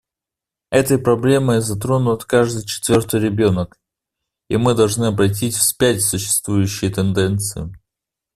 Этой проблемой затронут каждый четвертый ребенок, и мы должны обратить вспять существующие тенденции.